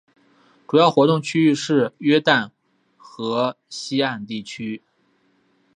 主要活动区域是约旦河西岸地区。